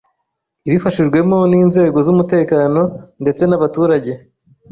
ibifashijwemo n’inzego z’umutekano ndetse n’abaturage.